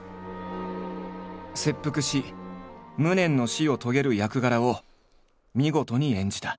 切腹し無念の死を遂げる役柄を見事に演じた。